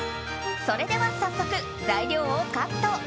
それでは早速、材料をカット。